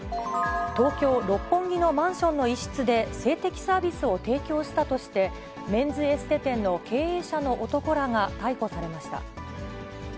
東京・六本木のマンションの一室で、性的サービスを提供したとして、メンズエステ店の経営者の男らが逮捕されました。